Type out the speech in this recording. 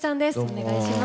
お願いします。